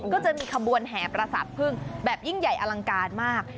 ก็จะมีขบวนแห่ประสาทพึ่งแบบยิ่งใหญ่อลังการมาก